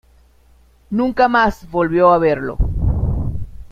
Nunca más volvió a verlo.